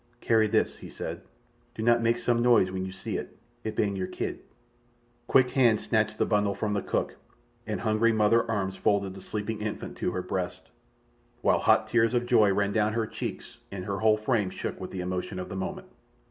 "Carry this," he said. "Do not make some noise when you see it. It ban your kid." Quick hands snatched the bundle from the cook, and hungry mother arms folded the sleeping infant to her breast, while hot tears of joy ran down her cheeks and her whole frame shook with the emotion of the moment.